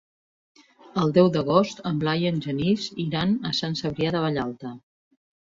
El deu d'agost en Blai i en Genís iran a Sant Cebrià de Vallalta.